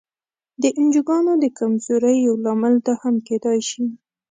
د انجوګانو د کمزورۍ یو لامل دا هم کېدای شي.